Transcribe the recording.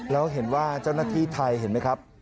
แล้วเห็นว่าเจ้าหน้าที่ไทยเห็นไหมครับ